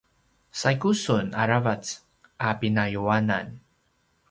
saigu sun aravac a pinayuanan